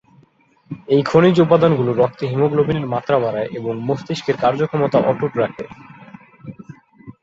এই খনিজ উপাদানগুলো রক্তে ‘হিমোগ্লোবিন’য়ের মাত্রা বাড়ায় এবং মস্তিষ্কের কার্যক্ষমতা অটুট রাখে।